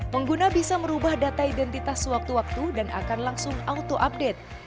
pengguna bisa merubah data identitas sewaktu waktu dan akan langsung auto update